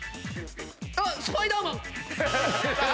スパイダーマン。